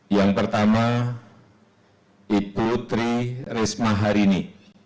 yang pertama ibu tri risma hari ini